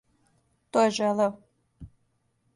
То је желео.